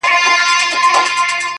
o تك سپين زړگي ته دي پوښ تور جوړ كړی ـ